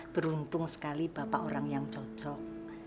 beruntung sekali bapak orang yang cocok